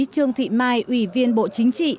trương thị mai ủy viên bộ chính trị